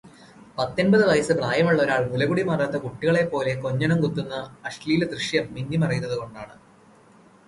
പത്തെൺപത് വയസ്സ് പ്രായമുള്ള ഒരാൾ മുല കുടി മാറാത്ത കുട്ടികളെപ്പോലെ കൊഞ്ഞണം കുത്തുന്ന അശ്ലീലദൃശ്യം മിന്നിമറയുന്നതു കൊണ്ടാണ്.